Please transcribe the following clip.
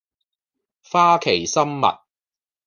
花旗參蜜